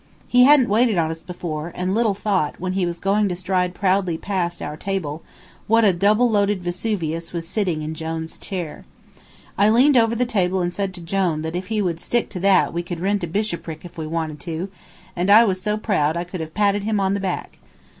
He hadn't waited on us before, and little thought, when he was going to stride proudly pass our table, what a double loaded Vesuvius was sitting in Jone's chair. I leaned over the table and said to Jone that if he would stick to that we could rent a bishopric if we wanted to, and I was so proud I could have patted him on the back.